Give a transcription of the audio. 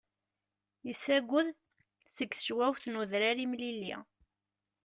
Isagg-d seg tecwawt n udrar imlilli.